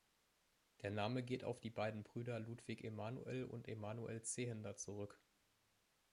Der Name geht auf die beiden Brüder Ludwig Emanuel und Emanuel Zehender zurück.